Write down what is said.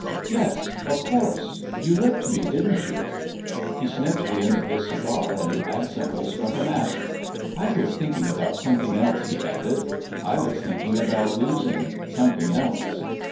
" Yes, of course ; you licked me, didn't you ?" He snipped the end from his cigar and absently struck a match. " I was thinking about some thing else," he added. " I was thinking about losing something else.